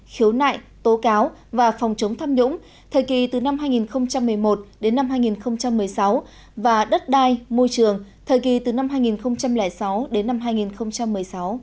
khiếu nại tố cáo và phòng chống tham nhũng thời kỳ từ năm hai nghìn một mươi một đến năm hai nghìn một mươi sáu và đất đai môi trường thời kỳ từ năm hai nghìn sáu đến năm hai nghìn một mươi sáu